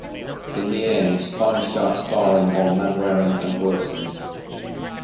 In the end, Sponge starts firing on Mainwaring and Wilson.